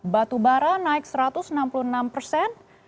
batu bara naik satu ratus enam puluh enam persen